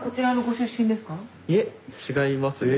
いえ違います。